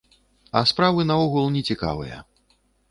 А справы наогул нецікавыя.